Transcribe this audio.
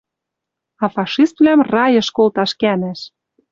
А фашиствлӓм «райыш» колташ кӓнӓш